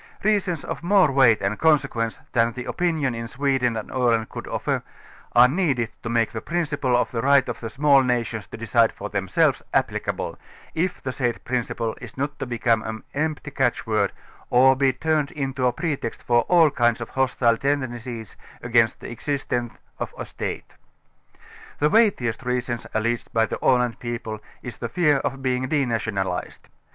Reasons of more weight and consequence, than the opinion in Sweden and Aland could offer, are needed to make the principle of the right of the small nations to decide for themselves applic able, if the said principle is not to become an empty catch word or be turned into a pretext for all kinds of hostile tendencies against the existence of a State. The weightiest reason, alleged by the Aland people, i& the fear of being denationalized.